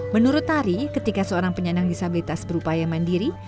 menurut tari ketika seorang penyandang disabilitas berupaya mandiri